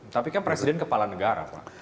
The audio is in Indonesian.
tapi kan presiden kepala negara pak